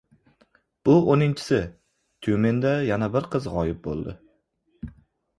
Bu o‘ninchisi: Tyumenda yana bir qiz g‘oyib bo‘ldi